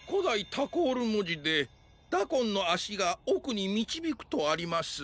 タコールもじで「ダコンのあしがおくにみちびく」とあります。